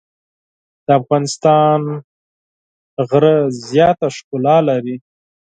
د افغانستان غره زیاته ښکلا لري.